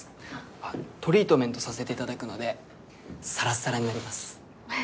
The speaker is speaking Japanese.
あっトリートメントさせて頂くのでサラサラになります